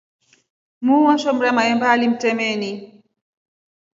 Muu weshomra mahemba alimtemeni.